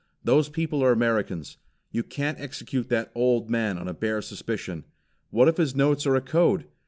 Those people are Americans. You can't execute that old man on a bare suspicion. What if his notes are a code?